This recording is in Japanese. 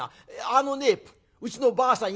あのねうちのばあさん